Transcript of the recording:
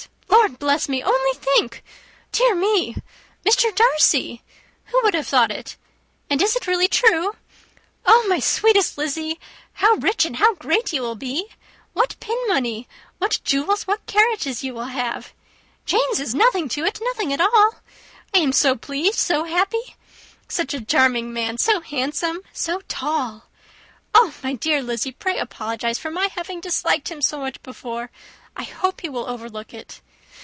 Lord bless me! only think! dear me! Mr. Darcy! Who would have thought it? And is it really true? Oh, my sweetest Lizzy! how rich and how great you will be! What pin money, what jewels, what carriages you will have! Jane's is nothing to it nothing at all. I am so pleased so happy. Such a charming man! so handsome! so tall! Oh, my dear Lizzy! pray apologize for my having disliked him so much before. I hope he will overlook it.